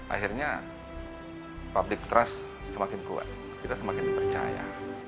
akhirnya public trust semakin kuat kita semakin percaya